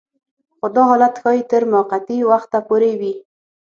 خو دا حالت ښايي تر موقتي وخته پورې وي